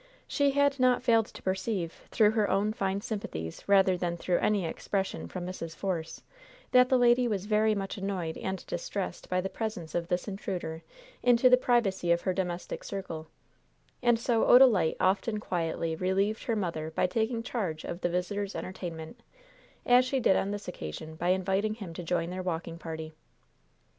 She had not failed to perceive, through her own fine sympathies rather than through any expression from Mrs. Force, that the lady was very much annoyed and distressed by the presence of this intruder into the privacy of her domestic circle; and so Odalite often quietly relieved her mother by taking charge of the visitor's entertainment, as she did on this occasion by inviting him to join their walking party.